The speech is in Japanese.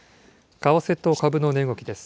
為替と株の値動きです。